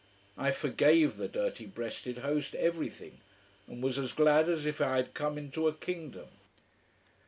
I forgave the dirty breasted host everything and was as glad as if I had come into a kingdom.